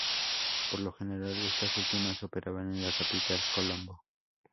Por lo general estas últimas operaban en la capital, Colombo.